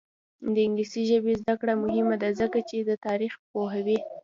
د انګلیسي ژبې زده کړه مهمه ده ځکه چې تاریخ پوهوي.